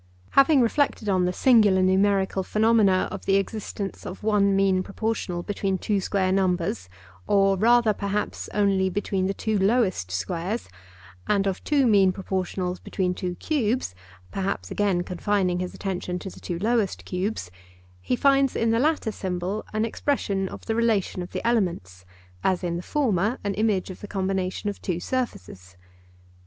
Having reflected on the singular numerical phenomena of the existence of one mean proportional between two square numbers are rather perhaps only between the two lowest squares; and of two mean proportionals between two cubes, perhaps again confining his attention to the two lowest cubes, he finds in the latter symbol an expression of the relation of the elements, as in the former an image of the combination of two surfaces.